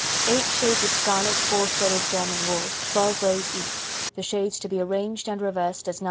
Eight shades of scarlet four threaded German wool, 12 rows of each, the shades to be arranged and reversed as No.